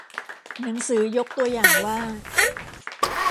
หนังสือยกตัวอย่างว่า